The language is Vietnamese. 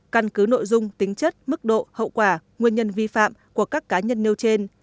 căn cứ nội dung tính chất mức độ hậu quả nguyên nhân vi phạm của các cá nhân nêu trên